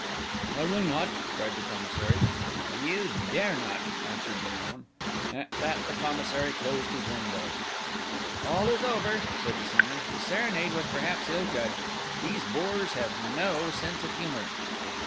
"I will not!" cried the Commissary. "You dare not!" answered Léon. At that the Commissary closed his window. "All is over," said the singer. "The serenade was perhaps ill judged. These boors have no sense of humour."